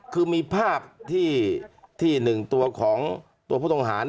คือมีภาพที่๑ตัวของตัวผู้ต้องหา